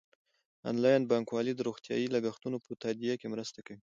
انلاین بانکوالي د روغتیايي لګښتونو په تادیه کې مرسته کوي.